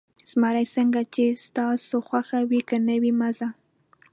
زمري: څنګه چې ستا خوښه وي، که نه ځې، مه ځه.